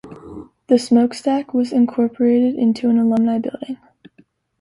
The "smokestack" was incorporated into an Alumni Building.